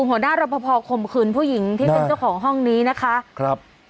หัวหน้ารับประพอข่มขืนผู้หญิงที่เป็นเจ้าของห้องนี้นะคะครับ